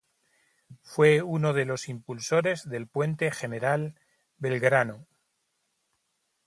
Fue uno de los impulsores del Puente General Belgrano.